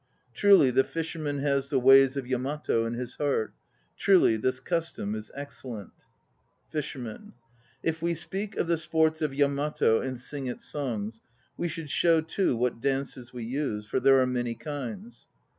Truly the fisherman has the ways of Yamato in his heart. Truly, this custom is excellent. FISHERMAN. If we speak of the sports of Yamato and sing its songs, we should show too what dances we use; for there are many kinds.